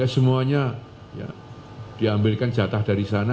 semuanya diambilkan jatah dari sana